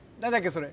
それ。